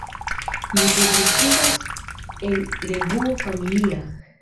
Li publikigas en revuo "Familia".